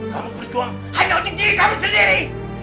kamu berjuang hanya untuk diri kamu sendiri